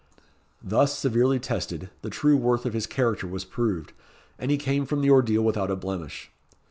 Thus severely tested, the true worth of his character was proved, and he came from the ordeal without a blemish.